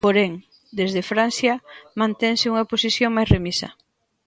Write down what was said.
Porén, desde Francia mantense unha posición máis remisa.